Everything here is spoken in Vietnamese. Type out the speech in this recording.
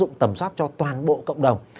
và áp dụng tầm soát cho toàn bộ cộng đồng